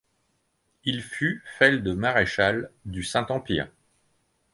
Il fut feld-maréchal du Saint-Empire.